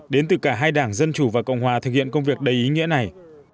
đến từ cả hai đảng dân chủ và cộng hòa thực hiện công việc đầy ý nghĩa này